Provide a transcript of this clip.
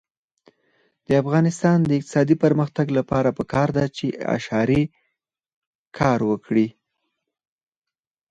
د افغانستان د اقتصادي پرمختګ لپاره پکار ده چې اشارې کار وکړي.